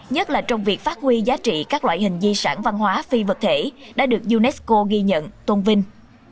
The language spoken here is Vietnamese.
nhất là trong việc phát huy giá trị các loại hình di sản văn hóa phi vật thể đã được unesco ghi nhận tôn vinh